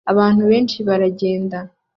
Abantu benshi baragenda